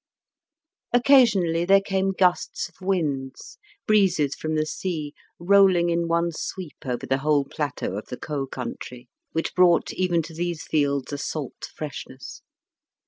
Occasionally there came gusts of winds, breezes from the sea rolling in one sweep over the whole plateau of the Caux country, which brought even to these fields a salt freshness.